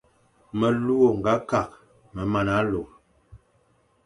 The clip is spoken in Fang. Melu ô nga kakh me mana lor.